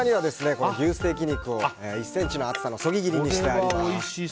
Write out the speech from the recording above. ステーキ肉を１ｃｍの厚さのそぎ切りにしてあります。